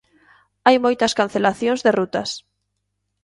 Hai moitas cancelacións de rutas.